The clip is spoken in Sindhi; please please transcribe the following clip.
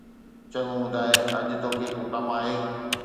چڱو، ٻڌاءِ، اڄ توکي ڪو ڪم آھي؟